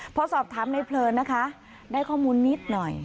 พอสอบถามในเพลินนะคะได้ข้อมูลนิดหน่อย